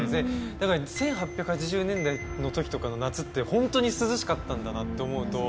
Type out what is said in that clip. だから１８８０年代の時とかの夏ってホントに涼しかったんだなって思うと。